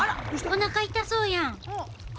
おなか痛そうやん。